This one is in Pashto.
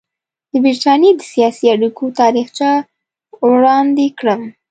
د برټانیې د سیاسي اړیکو تاریخچه وړاندې کړم.